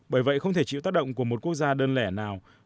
bởi vậy không thể chịu tác động của một quốc gia đơn lẻ nào